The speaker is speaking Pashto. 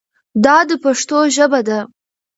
دا د پښتو ژبه ده.